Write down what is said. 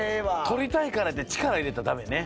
取りたいからって力入れたらダメね。